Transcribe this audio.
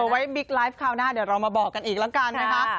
ไว้บิ๊กไลฟ์คราวหน้าเดี๋ยวเรามาบอกกันอีกแล้วกันนะคะ